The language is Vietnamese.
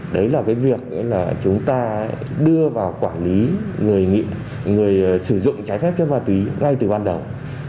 đấy là cái việc là chúng ta đưa vào quản lý người sử dụng trái phép chất ma túy ngay từ ban đầu